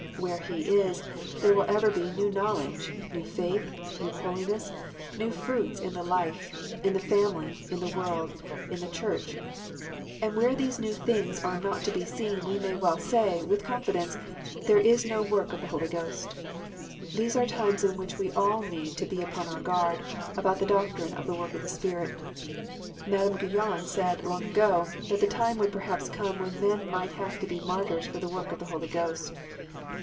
Where He is, there will ever be new knowledge, new faith, new holiness, new fruits in the life, in the family, in the world, in the Church. And where these new things are not to be seen we may well say, with confidence, there is no work of the Holy Ghost. These are times in which we all need to be upon our guard about the doctrine of the work of the Spirit. Madame Guyon said, long ago, that the time would perhaps come when men might have to be martyrs for the work of the Holy Ghost.